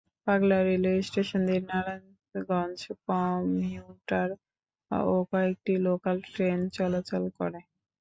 পাগলা railway station দিয়ে Narayanganj commuter ও কয়েকটি লোকাল ট্রেন চলাচল করে।